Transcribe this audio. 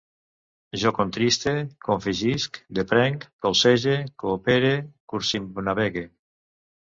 Jo contriste, confegisc, deprenc, colzege, coopere, circumnavegue